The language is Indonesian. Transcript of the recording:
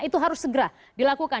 itu harus segera dilakukan